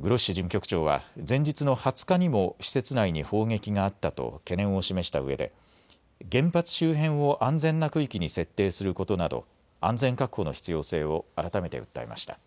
グロッシ事務局長は前日の２０日にも施設内に砲撃があったと懸念を示したうえで原発周辺を安全な区域に設定することなど安全確保の必要性を改めて訴えました。